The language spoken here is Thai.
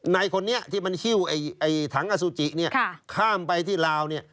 ในคนนี้ที่มันฮิ้วถังอสุจิเนี่ยข้ามไปที่ลาวเนี่ย